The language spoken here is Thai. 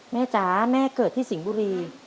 แม่จ๋าแม่เกิดที่สิงบุรี